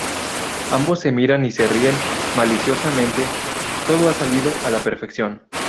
Ambos se miran y se ríen maliciosamente. Todo ha salido a la perfección.